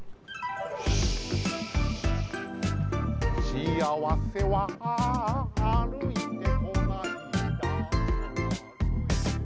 「しあわせは歩いてこない」